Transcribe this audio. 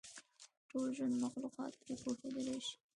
ټول ژوندي مخلوقات پرې پوهېدلای شي.